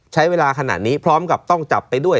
ใช้เวลาขนาดนี้พร้อมกับต้องจับไปด้วย